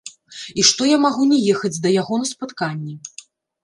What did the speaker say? І што я магу не ехаць да яго на спатканне.